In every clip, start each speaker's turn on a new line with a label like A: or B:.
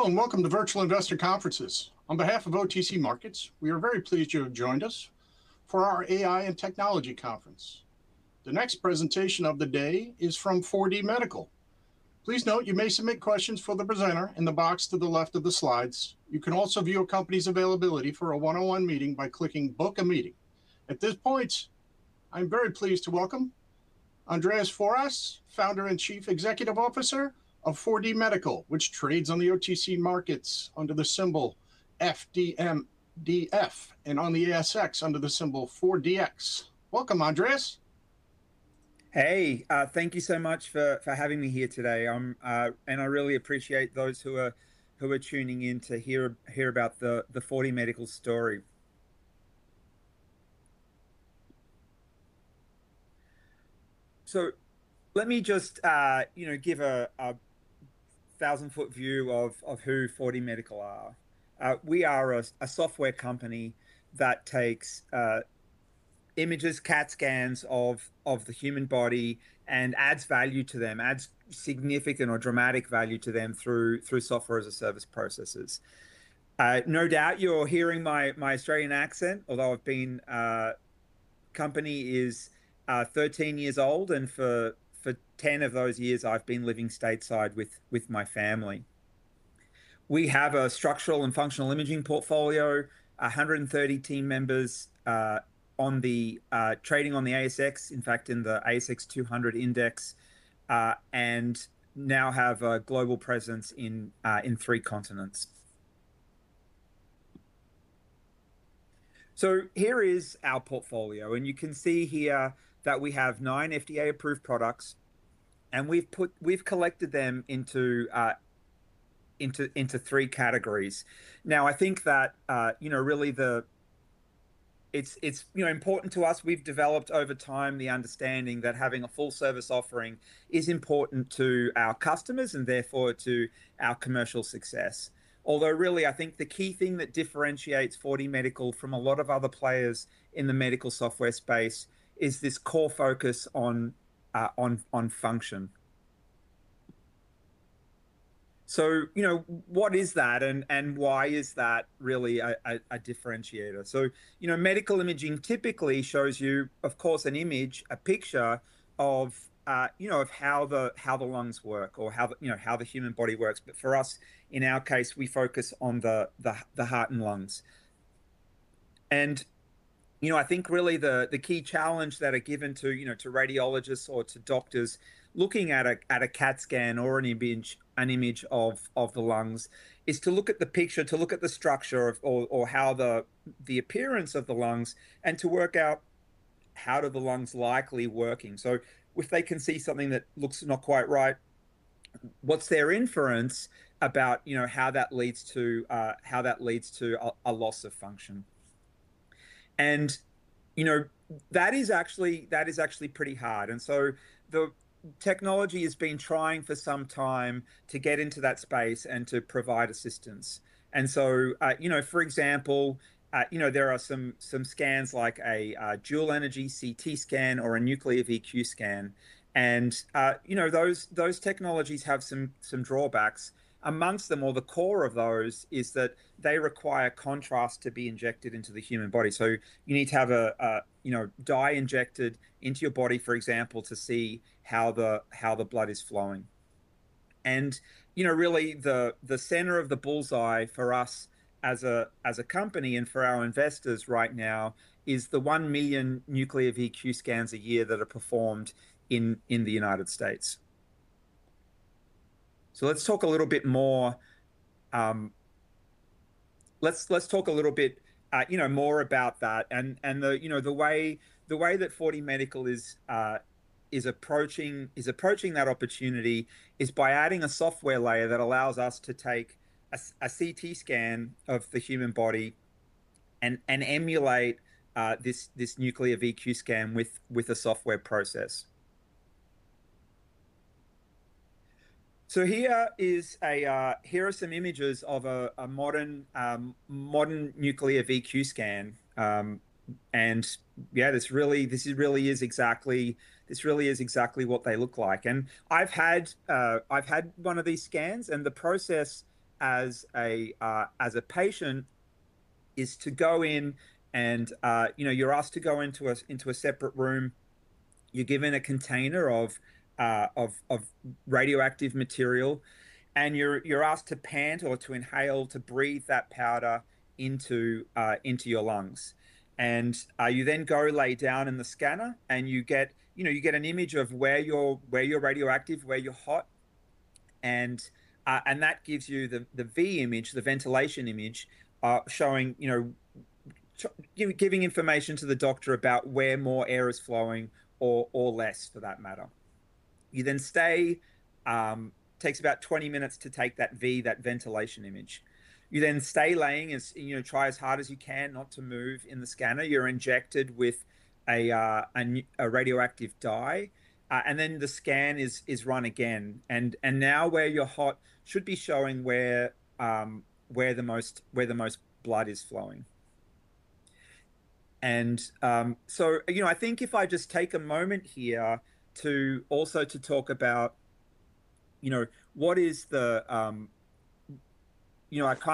A: Hello, and welcome to Virtual Investor Conferences. On behalf of OTC Markets, we are very pleased you have joined us for our AI and Technology Conference. The next presentation of the day is from 4DMedical. Please note you may submit questions for the presenter in the box to the left of the slides. You can also view a company's availability for a one-on-one meeting by clicking Book a Meeting. At this point, I'm very pleased to welcome Andreas Fouras, Founder and Chief Executive Officer of 4DMedical, which trades on the OTC Markets under the symbol FDMDF, and on the ASX under the symbol 4DX. Welcome, Andreas.
B: Hey, thank you so much for having me here today. I really appreciate those who are tuning in to hear about the 4DMedical story. Let me just give a 1,000-foot view of who 4DMedical are. We are a software company that takes images CAT scans of the human body and adds value to them, adds significant or dramatic value to them through software as a service processes. No doubt you're hearing my Australian accent, although the company is 13 years old, and for 10 of those years I've been living Stateside with my family. We have a structural and functional imaging portfolio, 130 team members trading on the ASX, in fact in the ASX 200 index, and now have a global presence in three continents. Here is our portfolio, and you can see here that we have nine FDA-approved products, and we've collected them into three categories. Now, I think that really it's important to us, we've developed over time the understanding that having a full-service offering is important to our customers and therefore to our commercial success. Although really I think the key thing that differentiates 4DMedical from a lot of other players in the medical software space is this core focus on function. What is that and why is that really a differentiator? Medical imaging typically shows you, of course, an image, a picture of how the lungs work or how the human body works. For us, in our case, we focus on the heart and lungs. I think really the key challenge that are given to radiologists or to doctors looking at a CT scan or an image of the lungs is to look at the picture, to look at the structure or how the appearance of the lungs, and to work out how do the lungs likely working. If they can see something that looks not quite right, what's their inference about how that leads to a loss of function? That is actually pretty hard, and so the technology has been trying for some time to get into that space and to provide assistance. For example, there are some scans like a dual-energy CT scan or a nuclear VQ scan, and those technologies have some drawbacks. Among them or the core of those is that they require contrast to be injected into the human body. You need to have a dye injected into your body, for example, to see how the blood is flowing. Really the center of the bullseye for us as a company and for our investors right now is the 1 million nuclear VQ scans a year that are performed in the United States. Let's talk a little bit more about that, and the way that 4DMedical is approaching that opportunity is by adding a software layer that allows us to take a CT scan of the human body and emulate this nuclear VQ scan with a software process. Here are some images of a modern nuclear VQ scan. Yeah, this really is exactly what they look like. I've had one of these scans, and the process as a patient is you're asked to go into a separate room, you're given a container of radioactive material, and you're asked to pant or to inhale, to breathe that powder into your lungs. You then go lay down in the scanner, and you get an image of where you're radioactive, where you're hot, and that gives you the V image, the ventilation image, giving information to the doctor about where more air is flowing, or less for that matter. It takes about 20 minutes to take that V, that ventilation image. You then stay laying and try as hard as you can not to move in the scanner. You're injected with a radioactive dye, and then the scan is run again. Now where you're hot should be showing where the most blood is flowing. I think if I just take a moment here to also talk about what is the kind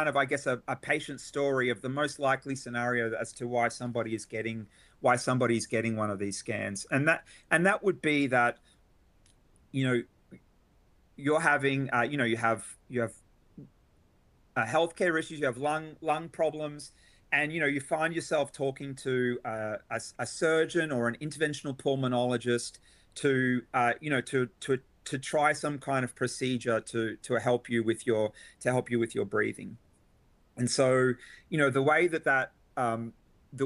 B: of, I guess, a patient story of the most likely scenario as to why somebody is getting one of these scans. That would be that you have healthcare issues, you have lung problems, and you find yourself talking to a surgeon or an interventional pulmonologist to try some kind of procedure to help you with your breathing. The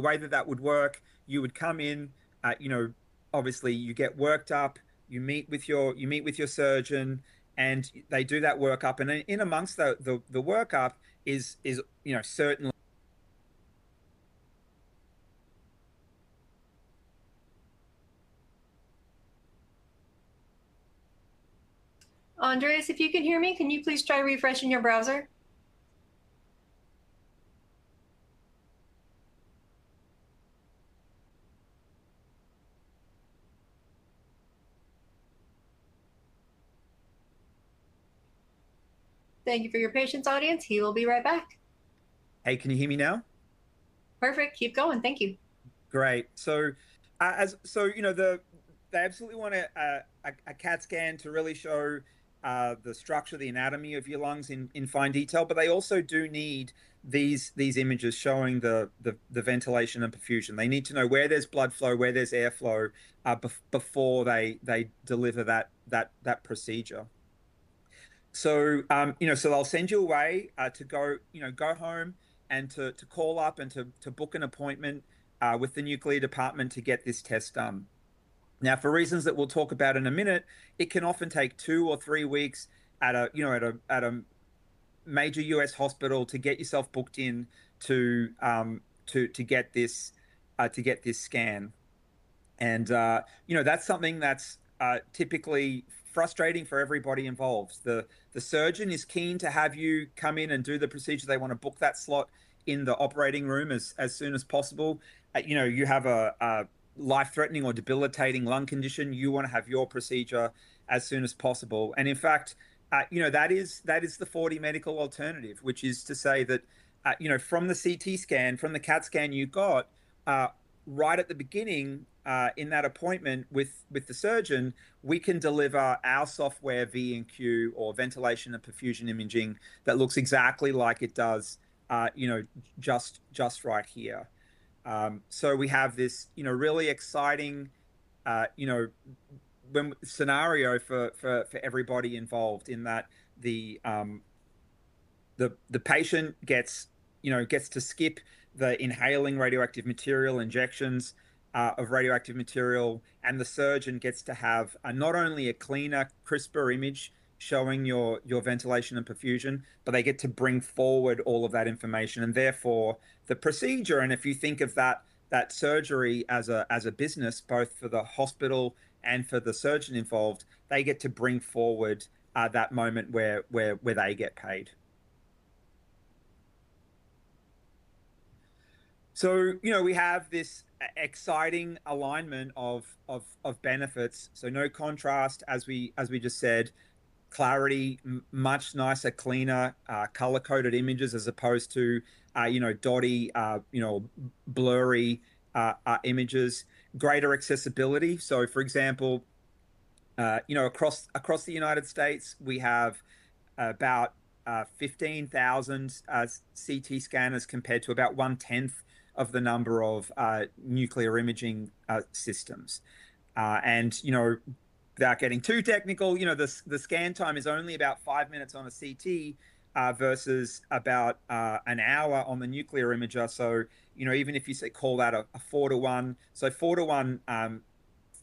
B: way that that would work, you would come in, obviously you get worked up, you meet with your surgeon, and they do that workup. In amongst the workup is certainly-
C: Andreas, if you can hear me, can you please try refreshing your browser? Thank you for your patience, audience. He will be right back.
B: Hey, can you hear me now?
C: Perfect. Keep going. Thank you.
B: Great. They absolutely want a CAT scan to really show the structure, the anatomy of your lungs in fine detail. They also do need these images showing the ventilation and perfusion. They need to know where there's blood flow, where there's airflow, before they deliver that procedure. They'll send you away to go home and to call up and to book an appointment with the nuclear department to get this test done. Now, for reasons that we'll talk about in a minute, it can often take two or three weeks at a major U.S. hospital to get yourself booked in to get this scan. That's something that's typically frustrating for everybody involved. The surgeon is keen to have you come in and do the procedure. They want to book that slot in the operating room as soon as possible. You have a life-threatening or debilitating lung condition, you want to have your procedure as soon as possible. In fact, that is the 4DMedical alternative, which is to say that from the CT scan, from the CAT scan you got, right at the beginning, in that appointment with the surgeon, we can deliver our software V and Q, or ventilation and perfusion imaging, that looks exactly like it does just right here. We have this really exciting scenario for everybody involved in that the patient gets to skip the inhaling radioactive material, injections of radioactive material, and the surgeon gets to have not only a cleaner, crisper image showing your ventilation and perfusion, but they get to bring forward all of that information, and therefore, the procedure, and if you think of that surgery as a business, both for the hospital and for the surgeon involved, they get to bring forward that moment where they get paid. We have this exciting alignment of benefits. No contrast, as we just said, clarity, much nicer, cleaner, color-coded images as opposed to dotty, blurry images. Greater accessibility. For example, across the United States, we have about 15,000 CT scanners compared to about 1/10 of the number of nuclear imaging systems. Without getting too technical, the scan time is only about five minutes on a CT, versus about an hour on the nuclear imager. Even if you say call that a 4-to-1, 4-to-1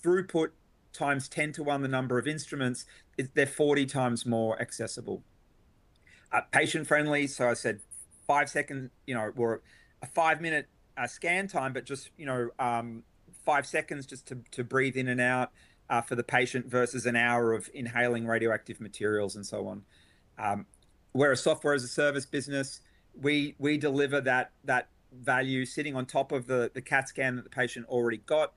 B: throughput times 10-to-1 the number of instruments, they're 40x more accessible. Patient-friendly, so I said five-second, or a five-minute scan time, but just five seconds to breathe in and out for the patient versus an hour of inhaling radioactive materials and so on. We're a software-as-a-service business. We deliver that value sitting on top of the CAT scan that the patient already got,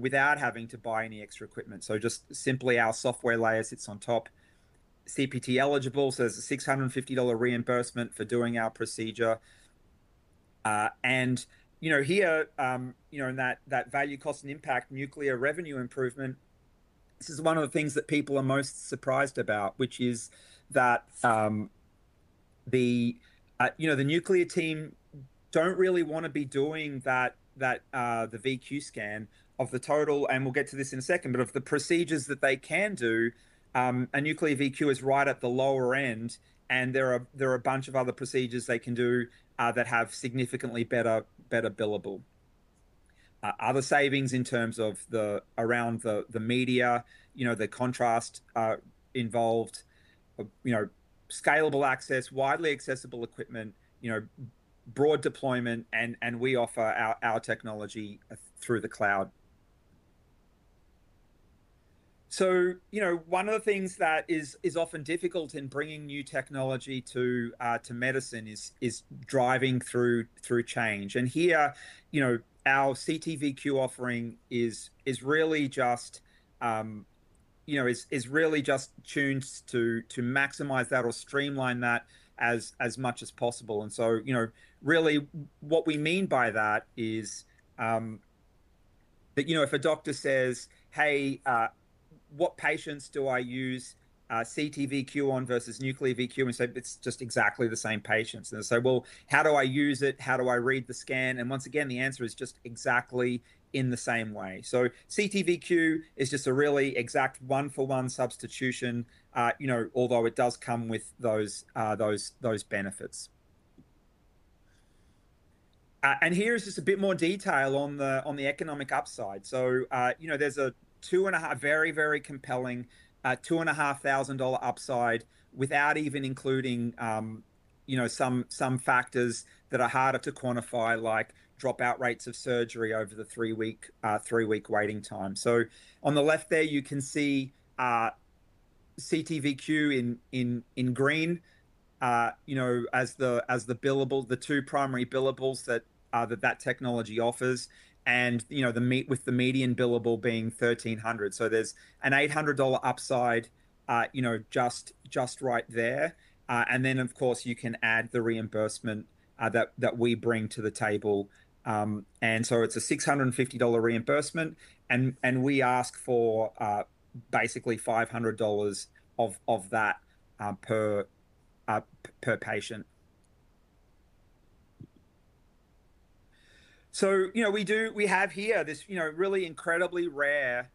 B: without having to buy any extra equipment. Just simply our software layer sits on top. CPT eligible, so there's a $650 reimbursement for doing our procedure. Here, in that value, cost, and impact nuclear revenue improvement, this is one of the things that people are most surprised about, which is that the nuclear team don't really want to be doing the VQ scan of the total, and we'll get to this in a second, but of the procedures that they can do, a nuclear VQ is right at the lower end, and there are a bunch of other procedures they can do that have significantly better billable. Other savings in terms of radiation, the contrast media involved, scalable access, widely accessible equipment, broad deployment, and we offer our technology through the cloud. One of the things that is often difficult in bringing new technology to medicine is driving through change. Our CT:VQ offering is really just tuned to maximize that or streamline that as much as possible. Really what we mean by that is that if a doctor says, "Hey, what patients do I use CT:VQ on versus nuclear VQ?" It's just exactly the same patients. They'll say, "Well, how do I use it? How do I read the scan?" Once again, the answer is just exactly in the same way. CT:VQ is just a really exact one-for-one substitution, although it does come with those benefits. Here is just a bit more detail on the economic upside. There's a very compelling $2,500 upside without even including some factors that are harder to quantify, like dropout rates of surgery over the three-week waiting time. On the left there, you can see CT:VQ in green, as the billable, the two primary billables that that technology offers and with the median billable being $1,300. There's an 800 dollar upside, just right there. Then, of course, you can add the reimbursement that we bring to the table. It's a 650 dollar reimbursement and we ask for basically 500 dollars of that per patient. We have here this really incredibly rare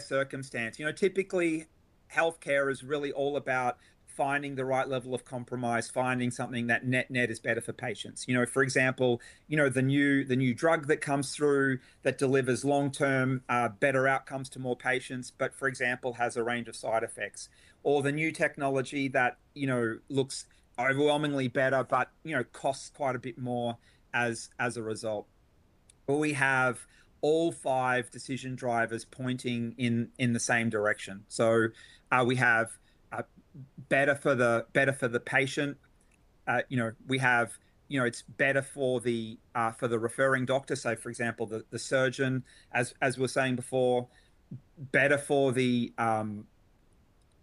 B: circumstance. Typically, healthcare is really all about finding the right level of compromise, finding something that net-net is better for patients. For example, the new drug that comes through that delivers long-term, better outcomes to more patients, but, for example, has a range of side effects. The new technology that looks overwhelmingly better, but costs quite a bit more as a result. We have all five decision drivers pointing in the same direction. We have better for the patient. It's better for the referring doctor, so for example, the surgeon. As we were saying before, better for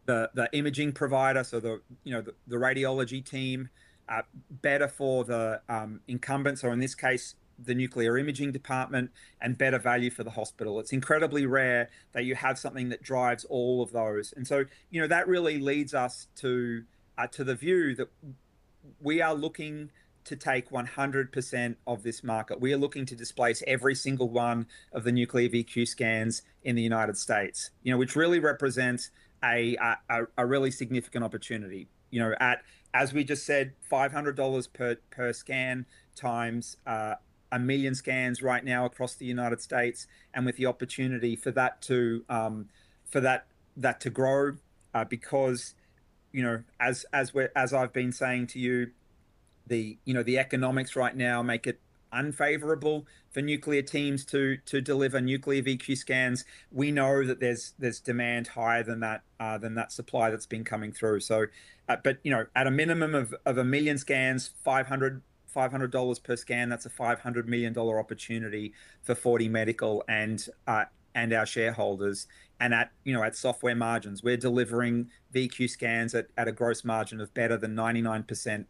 B: the imaging provider, so the radiology team, better for the incumbents, or in this case, the nuclear imaging department, and better value for the hospital. It's incredibly rare that you have something that drives all of those. That really leads us to the view that we are looking to take 100% of this market. We are looking to displace every single one of the nuclear VQ scans in the United States, which really represents a really significant opportunity. As we just said, $500 per scan times 1 million scans right now across the United States, and with the opportunity for that to grow, because as I've been saying to you, the economics right now make it unfavorable for nuclear teams to deliver nuclear VQ scans. We know that there's demand higher than that supply that's been coming through. At a minimum of 1 million scans, $500 per scan, that's a $500 million opportunity for 4DMedical and our shareholders, and at software margins. We're delivering VQ scans at a gross margin of better than 99%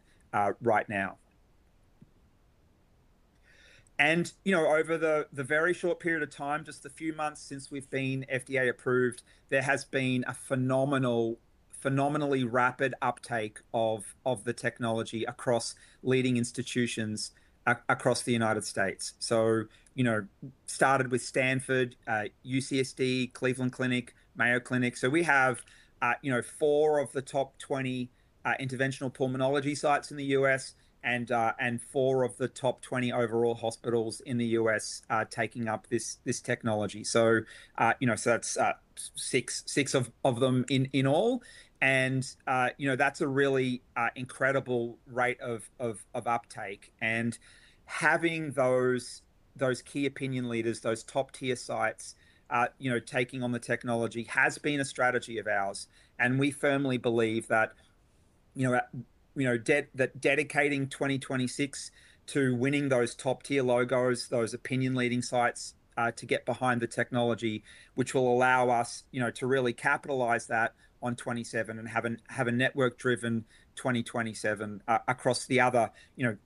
B: right now. Over the very short period of time, just the few months since we've been FDA approved, there has been a phenomenally rapid uptake of the technology across leading institutions across the United States. Started with Stanford, UCSD, Cleveland Clinic, Mayo Clinic. We have four of the top 20 interventional pulmonology sites in the U.S. and four of the top 20 overall hospitals in the U.S. taking up this technology. That's six of them in all, and that's a really incredible rate of uptake. Having those key opinion leaders, those top-tier sites taking on the technology has been a strategy of ours. We firmly believe that dedicating 2026 to winning those top-tier logos, those opinion leading sites, to get behind the technology, which will allow us to really capitalize on that in 2027 and have a network-driven 2027 across the other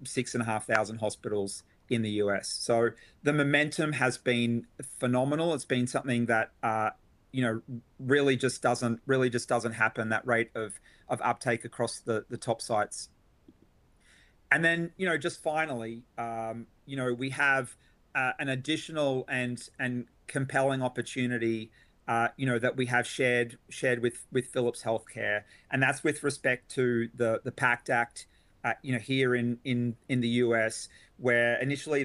B: 6,500 hospitals in the U.S. The momentum has been phenomenal. It's been something that really just doesn't happen, that rate of uptake across the top sites. Just finally, we have an additional and compelling opportunity that we have shared with Philips Healthcare, and that's with respect to the PACT Act here in the U.S., where initially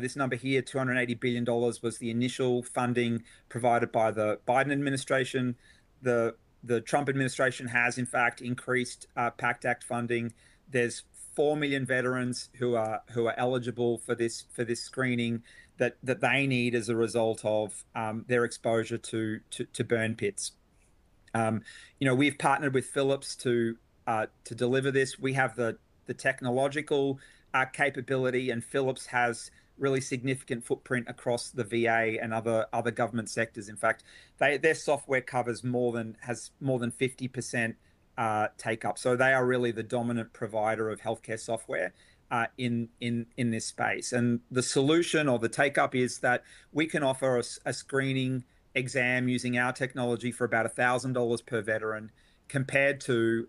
B: this number here, $280 billion, was the initial funding provided by the Biden administration. The Trump administration has in fact increased PACT Act funding. There are 4 million veterans who are eligible for this screening that they need as a result of their exposure to burn pits. We've partnered with Philips to deliver this. We have the technological capability, and Philips has really significant footprint across the VA and other government sectors. In fact, their software coverage has more than 50% take-up. They are really the dominant provider of healthcare software in this space. The solution or the take-up is that we can offer a screening exam using our technology for about $1,000 per veteran, compared to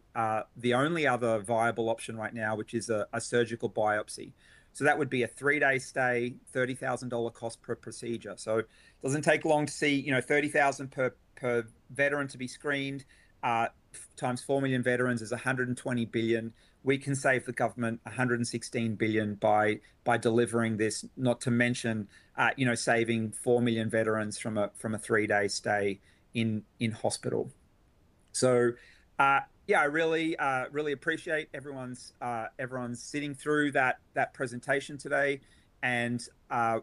B: the only other viable option right now, which is a surgical biopsy. That would be a three-day stay, $30,000 cost per procedure. It doesn't take long to see $30,000 per veteran to be screened, times 4 million veterans is $120 billion. We can save the government $116 billion by delivering this, not to mention saving 4 million veterans from a three-day stay in hospital. Yeah, I really appreciate everyone sitting through that presentation today. I'll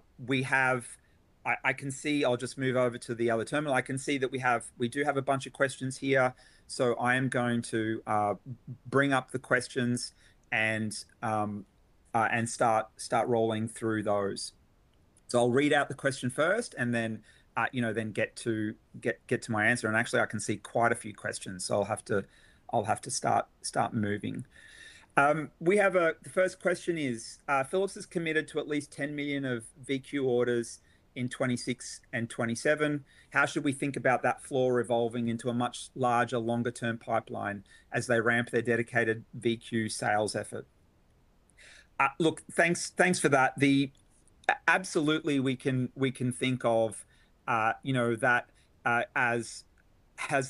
B: just move over to the other terminal. I can see that we do have a bunch of questions here, so I am going to bring up the questions and start rolling through those. I'll read out the question first and then get to my answer. Actually, I can see quite a few questions, so I'll have to start moving. The first question is, Philips has committed to at least $10 million of VQ orders in 2026 and 2027. How should we think about that floor evolving into a much larger, longer-term pipeline as they ramp their dedicated VQ sales effort? Look, thanks for that. Absolutely, we can think of that as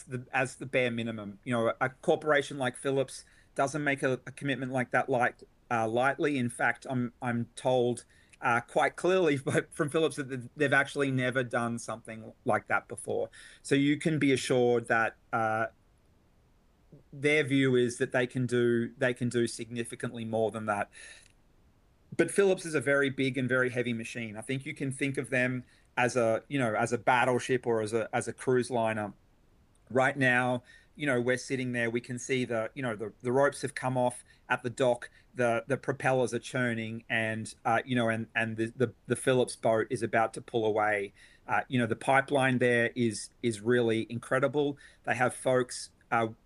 B: the bare minimum. A corporation like Philips doesn't make a commitment like that lightly. In fact, I'm told quite clearly from Philips that they've actually never done something like that before. You can be assured that their view is that they can do significantly more than that. Philips is a very big and very heavy machine. I think you can think of them as a battleship or as a cruise liner. Right now, we're sitting there. We can see the ropes have come off at the dock, the propellers are churning, and the Philips boat is about to pull away. The pipeline there is really incredible. They have folks on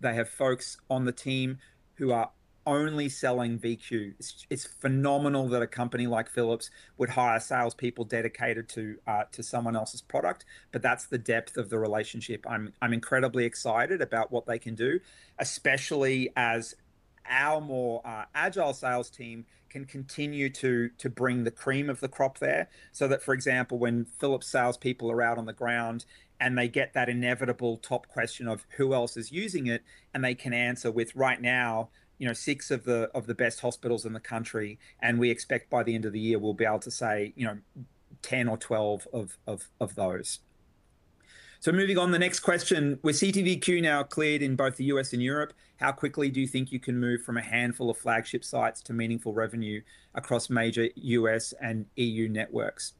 B: the team who are only selling VQ. It's phenomenal that a company like Philips would hire salespeople dedicated to someone else's product, but that's the depth of the relationship. I'm incredibly excited about what they can do, especially as our more agile sales team can continue to bring the cream of the crop there. That, for example, when Philips' salespeople are out on the ground and they get that inevitable top question of who else is using it, and they can answer with right now, six of the best hospitals in the country, and we expect by the end of the year, we'll be able to say 10 or 12 of those. Moving on, the next question. With CT:VQ now cleared in both the U.S. and Europe, how quickly do you think you can move from a handful of flagship sites to meaningful revenue across major U.S. and E.U. networks?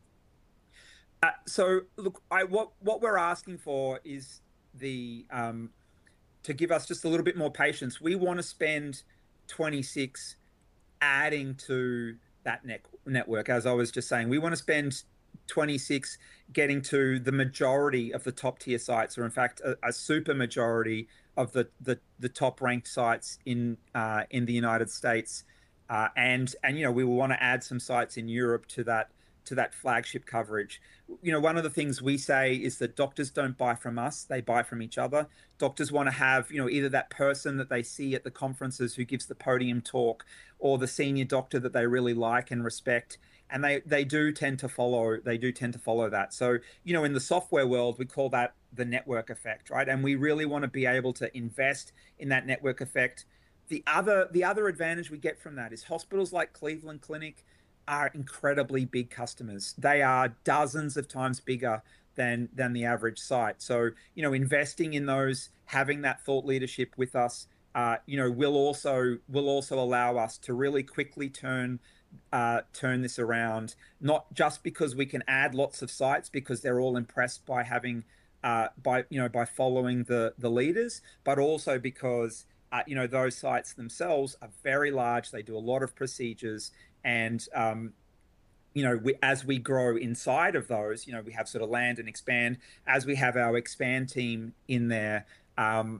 B: Look, what we're asking for is to give us just a little bit more patience. We want to spend 2026 adding to that network. As I was just saying, we want to spend 2026 getting to the majority of the top-tier sites, or in fact, a super majority of the top-ranked sites in the United States. We want to add some sites in Europe to that flagship coverage. One of the things we say is that doctors don't buy from us. They buy from each other. Doctors want to have either that person that they see at the conferences who gives the podium talk or the senior doctor that they really like and respect, and they do tend to follow that. In the software world, we call that the network effect, right? We really want to be able to invest in that network effect. The other advantage we get from that is hospitals like Cleveland Clinic are incredibly big customers. They are dozens of times bigger than the average site. Investing in those, having that thought leadership with us will also allow us to really quickly turn this around. Not just because we can add lots of sites because they're all impressed by following the leaders, but also because those sites themselves are very large. They do a lot of procedures and as we grow inside of those, we have sort of land and expand as we have our expand team in there. That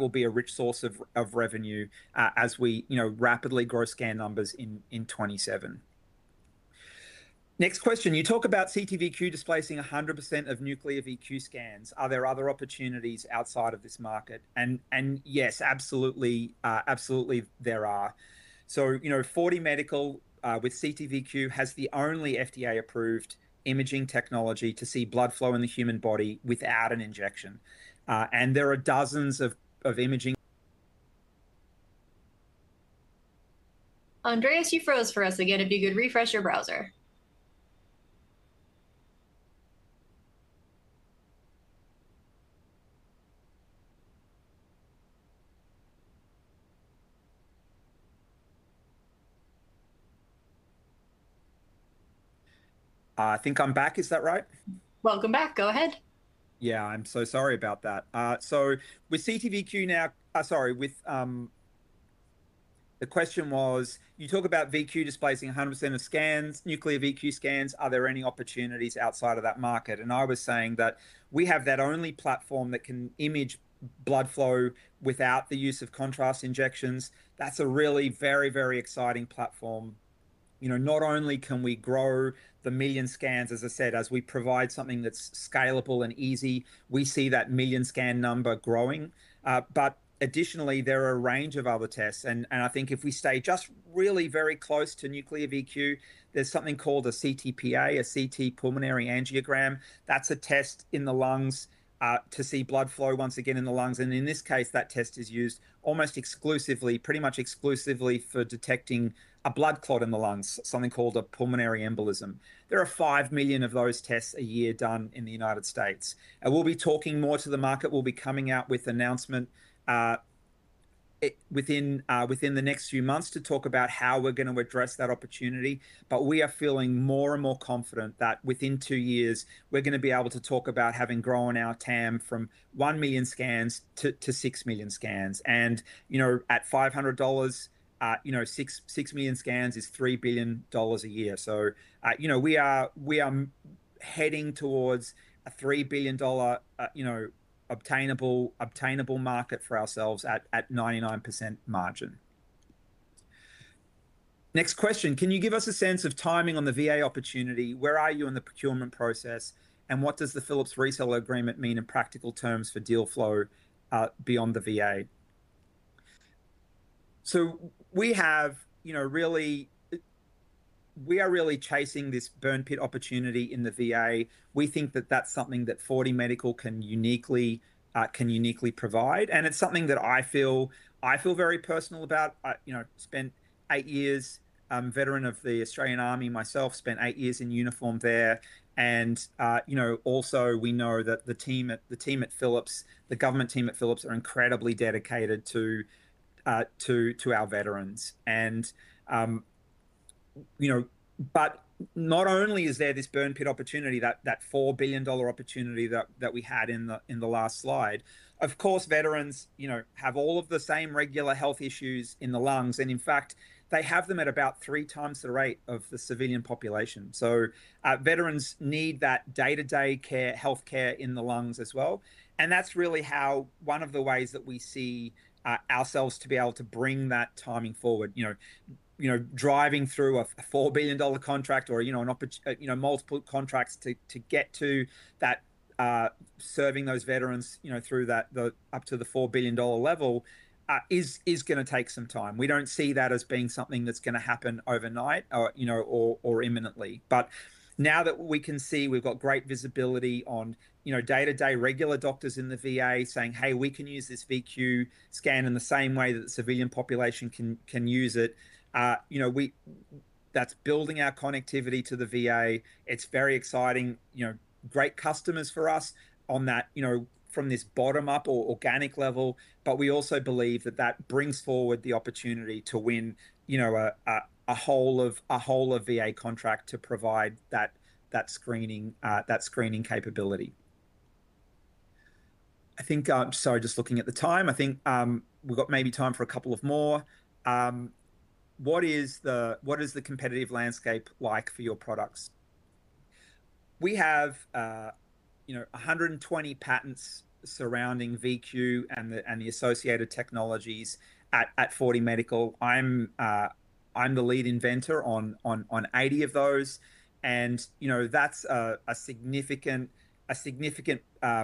B: will be a rich source of revenue as we rapidly grow scan numbers in 2027. Next question. You talk about CT:VQ displacing 100% of nuclear VQ scans. Are there other opportunities outside of this market? Yes, absolutely there are. 4DMedical with CT:VQ has the only FDA-approved imaging technology to see blood flow in the human body without an injection. There are dozens of imaging-
C: Andreas, you froze for us again. If you could refresh your browser.
B: I think I'm back. Is that right?
C: Welcome back. Go ahead.
B: Yeah, I'm so sorry about that. The question was: you talk about VQ displacing 100% of nuclear VQ scans. Are there any opportunities outside of that market? I was saying that we have that only platform that can image blood flow without the use of contrast injections. That's a really very exciting platform. Not only can we grow the million scans, as I said, as we provide something that's scalable and easy, we see that million scan number growing. Additionally, there are a range of other tests, and I think if we stay just really very close to nuclear VQ, there's something called a CTPA, a CT pulmonary angiogram. That's a test in the lungs to see blood flow, once again, in the lungs. In this case, that test is used almost exclusively, pretty much exclusively, for detecting a blood clot in the lungs, something called a pulmonary embolism. There are 5 million of those tests a year done in the United States. We'll be talking more to the market, we'll be coming out with announcement within the next few months to talk about how we're going to address that opportunity. We are feeling more and more confident that within two years, we're going to be able to talk about having grown our TAM from 1 million scans to 6 million scans. At $500, 6 million scans is $3 billion a year. We are heading towards a $3 billion obtainable market for ourselves at 99% margin. Next question: can you give us a sense of timing on the VA opportunity? Where are you in the procurement process, and what does the Philips reseller agreement mean in practical terms for deal flow beyond the VA? We are really chasing this burn pit opportunity in the VA. We think that that's something that 4DMedical can uniquely provide, and it's something that I feel very personal about. I'm a veteran of the Australian Army myself, spent eight years in uniform there. We know that the government team at Philips are incredibly dedicated to our veterans. Not only is there this burn pit opportunity, that $4 billion opportunity that we had in the last slide, of course, veterans have all of the same regular health issues in the lungs, and in fact, they have them at about three times the rate of the civilian population. Veterans need that day-to-day healthcare in the lungs as well, and that's really one of the ways that we see ourselves to be able to bring that timing forward. Driving through a $4 billion contract or multiple contracts to get to serving those veterans up to the $4 billion level is going to take some time. We don't see that as being something that's going to happen overnight or imminently. Now that we can see we've got great visibility on day-to-day regular doctors in the VA saying, "Hey, we can use this VQ scan in the same way that the civilian population can use it." That's building our connectivity to the VA. It's very exciting, great customers for us from this bottom-up or organic level. We also believe that that brings forward the opportunity to win a whole of VA contract to provide that screening capability. Sorry, just looking at the time, I think, we've got maybe time for a couple of more. What is the competitive landscape like for your products? We have 120 patents surrounding VQ and the associated technologies at 4DMedical. I'm the lead inventor on 80 of those, and that's a significant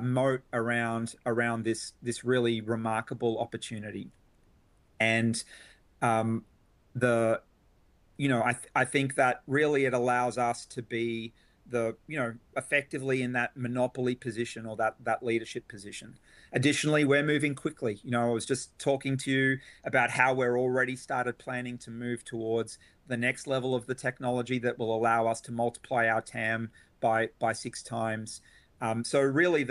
B: moat around this really remarkable opportunity. I think that really it allows us to be effectively in that monopoly position or that leadership position. Additionally, we're moving quickly. I was just talking to you about how we're already started planning to move towards the next level of the technology that will allow us to multiply our TAM by six times. Really,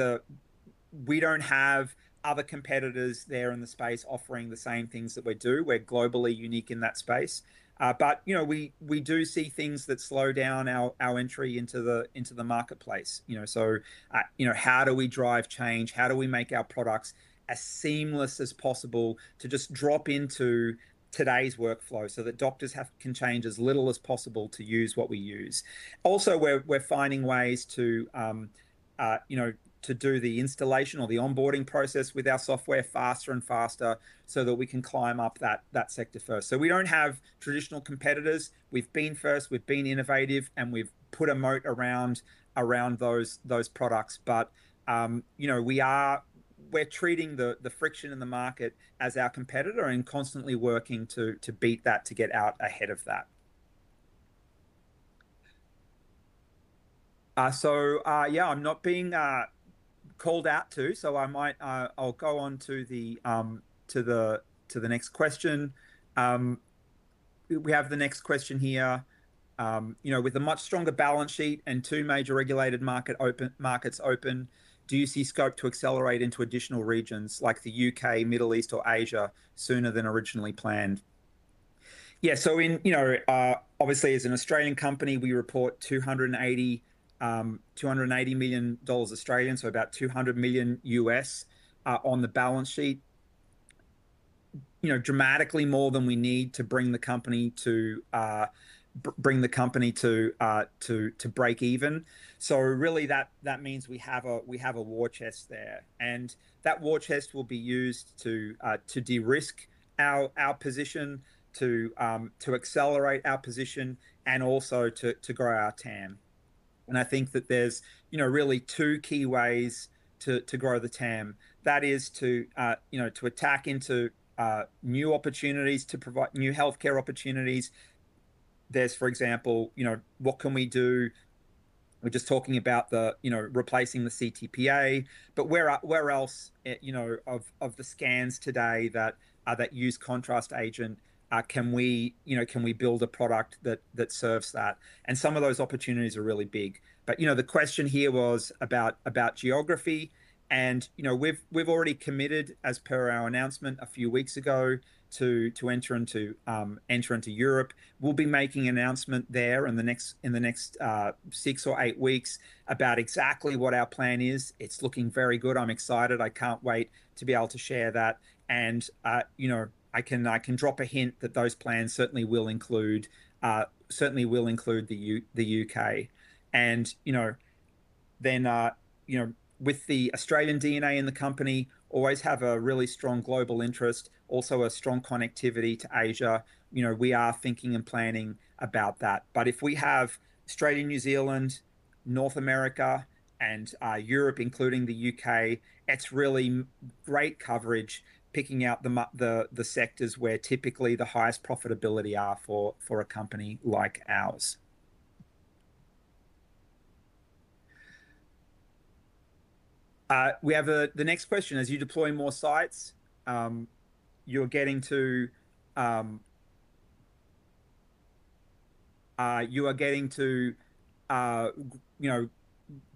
B: we don't have other competitors there in the space offering the same things that we do. We're globally unique in that space. We do see things that slow down our entry into the marketplace. How do we drive change? How do we make our products as seamless as possible to just drop into today's workflow so that doctors can change as little as possible to use what we use? Also, we're finding ways to do the installation or the onboarding process with our software faster and faster so that we can climb up that sector first. We don't have traditional competitors. We've been first, we've been innovative, and we've put a moat around those products. We're treating the friction in the market as our competitor and constantly working to beat that, to get out ahead of that. Yeah, I'm not being called out to, so I'll go on to the next question. We have the next question here. With a much stronger balance sheet and two major regulated markets open, do you see scope to accelerate into additional regions like the U.K., Middle East, or Asia sooner than originally planned? Yeah. Obviously as an Australian company, we report 280 million dollars, so about $200 million on the balance sheet. Dramatically more than we need to bring the company to break even. Really that means we have a war chest there. That war chest will be used to de-risk our position, to accelerate our position, and also to grow our TAM. I think that there's really two key ways to grow the TAM. That is to attack into new opportunities, to provide new healthcare opportunities. There's, for example, what can we do? We're just talking about replacing the CTPA, but where else of the scans today that use contrast agent, can we build a product that serves that? Some of those opportunities are really big. The question here was about geography and we've already committed, as per our announcement a few weeks ago, to enter into Europe. We'll be making an announcement there in the next six or eight weeks about exactly what our plan is. It's looking very good. I'm excited. I can't wait to be able to share that. I can drop a hint that those plans certainly will include the U.K. With the Australian DNA in the company, we always have a really strong global interest, also a strong connectivity to Asia, we are thinking and planning about that. If we have Australia, New Zealand, North America, and Europe, including the U.K., it's really great coverage, picking out the sectors where typically the highest profitability are for a company like ours. The next question, as you deploy more sites, you are getting to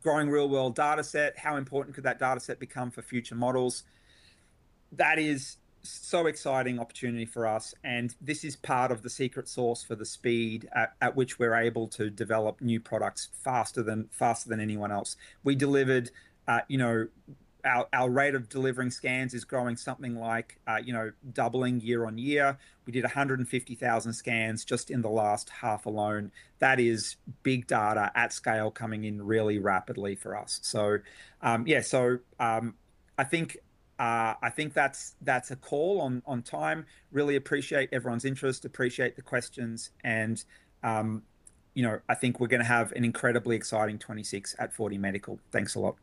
B: growing real-world data set, how important could that dataset become for future models? That is so exciting opportunity for us, and this is part of the secret sauce for the speed at which we're able to develop new products faster than anyone else. Our rate of delivering scans is growing something like doubling year-over-year. We did 150,000 scans just in the last half alone. That is big data at scale coming in really rapidly for us. Yeah. I think that's a call on time. Really appreciate everyone's interest, appreciate the questions, and I think we're gonna have an incredibly exciting 2026 at 4DMedical. Thanks a lot.